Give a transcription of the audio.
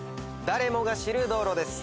誰もが知る道路です。